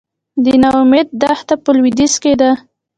د نا امید دښته په لویدیځ کې ده